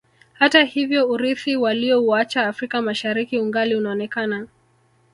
Hata hivyo urithi waliouacha Afrika Mashariki ungali unaonekana